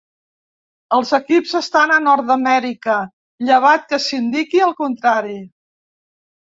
Els equips estan a Nord-Amèrica, llevat que s'indiqui el contrari.